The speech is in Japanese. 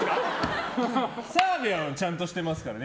澤部はちゃんとしてますからね。